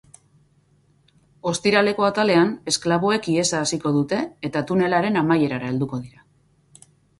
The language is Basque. Ostiraleko atalean, esklaboek ihesa hasiko dute eta tunelaren amaierara helduko dira.